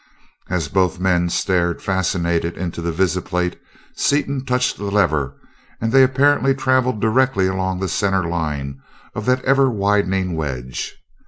As both men stared, fascinated, into the visiplate, Seaton touched the lever and they apparently traveled directly along the center line of that ever widening wedge.